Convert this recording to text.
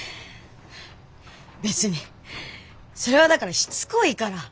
別にそれはだからしつこいから。